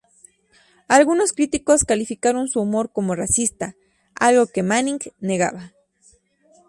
Algunos críticos calificaron su humor como racista, algo que Manning negaba.